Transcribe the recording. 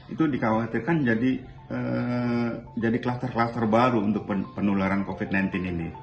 itu dikhawatirkan jadi kluster kluster baru untuk penularan covid sembilan belas ini